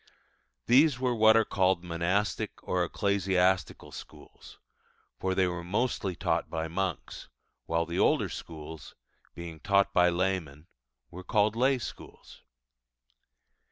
These were what are called monastic or ecclesiastical schools, for they were mostly taught by monks; while the older schools, being taught by laymen, were called lay schools.